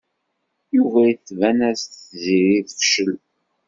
Yuba tban-as-d Tiziri tefcel.